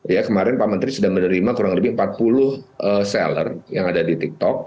ya kemarin pak menteri sudah menerima kurang lebih empat puluh seller yang ada di tiktok